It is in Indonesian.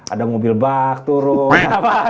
ada mobil bak turun